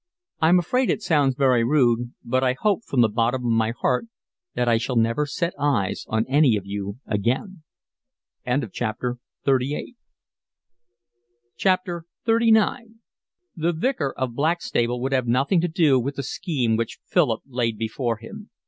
"I'm afraid it sounds very rude, but I hope from the bottom of my heart that I shall never set eyes on any of you again." XXXIX The Vicar of Blackstable would have nothing to do with the scheme which Philip laid before him.